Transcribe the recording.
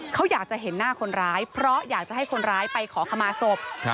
เขาอยากจะเห็นหน้าคนร้ายเพราะอยากจะให้คนร้ายไปขอขมาศพ